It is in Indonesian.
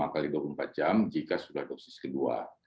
lima x dua puluh empat jam jika sudah dosis kedua